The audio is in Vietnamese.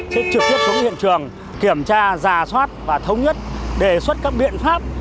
sẽ trực tiếp xuống hiện trường kiểm tra giả soát và thống nhất đề xuất các biện pháp